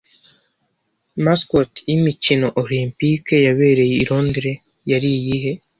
Mascot y'imikino Olempike yabereye i Londres yari iyihe